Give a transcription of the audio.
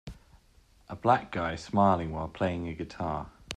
A Black guy smiling while playing a guitar.